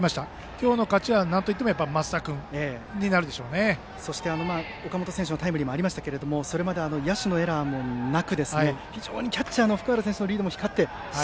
今日の勝ちはなんといってもそして、岡本選手のタイムリーもありましたがそれまで野手のエラーもなく非常にキャッチャーの福原選手のリードも光った。